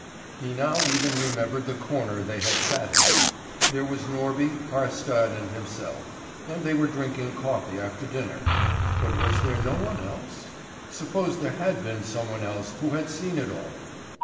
He now even remembered the corner they had sat in. There were Norby, Haarstad and himself, and they were drinking coffee after dinner. But was there no one else? Suppose there had been some one else who had seen it all!